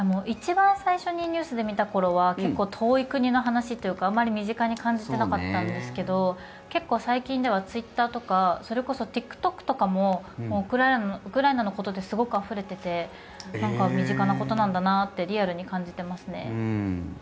一番最初にニュースで見た頃は結構遠い国の話というかあまり身近に感じていなかったんですけど結構、最近ではツイッターとかそれこそＴｉｋＴｏｋとかもウクライナのことですごくあふれていて身近なことなんだなってリアルに感じていますね。